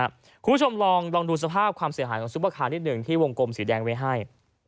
คุณผู้ชมลองดูสภาพความเสียหายของซุปเปอร์คาร์นิดหนึ่งที่วงกลมสีแดงไว้ให้